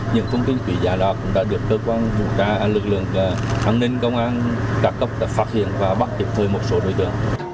những thông tin quỹ giả đó cũng đã được các vũ trang lực lượng an ninh công an các cấp phát hiện và bắt tiếp thời một số đối tượng